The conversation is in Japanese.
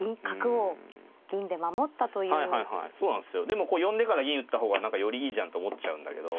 でもこう呼んでから銀打った方が何かよりいいじゃんと思っちゃうんだけど。